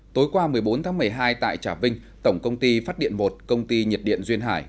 tối qua một mươi bốn tháng một mươi hai tại trà vinh tổng công ty phát điện một công ty nhiệt điện duyên hải